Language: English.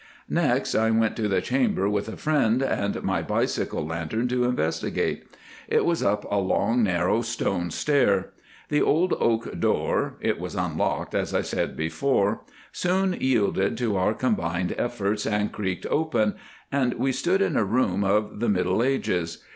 Next, I went to the chamber with a friend and my bicycle lantern to investigate. It was up a long, narrow stone stair. The old oak door (it was unlocked, as I said before) soon yielded to our combined efforts and creaked open, and we stood in a room of the middle ages.